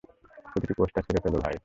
প্রতিটা পোস্টার ছিঁড়ে ফেল, ভাই।